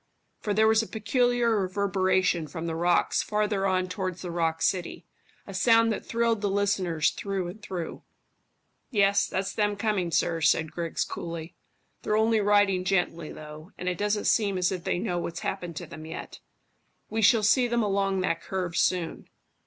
For there was a peculiar reverberation from the rocks farther on towards the rock city a sound that thrilled the listeners through and through. "Yes, that's them coming, sir," said Griggs coolly. "They're only riding gently, though, and it doesn't seem as if they know what's happened to them yet. We shall see them along that curve soon.